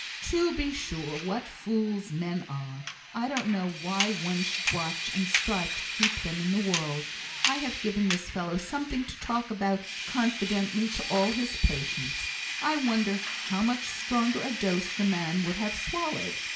"To be sure, what fools men are! I don't know why one should watch and strive to keep them in the world. I have given this fellow something to talk about confidentially to all his patients; I wonder how much stronger a dose the man would have swallowed!